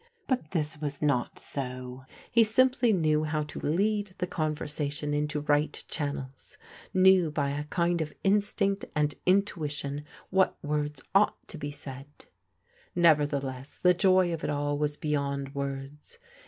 But this was act so. He sziz^iIt knew how to lead the oon Tersatxxi rsto ti^it channris knew bf a kind of instinct axxl ictiutSon what words ^"wgl*^ to be said. Xcverdielcss Ae joy of it all was beyond words.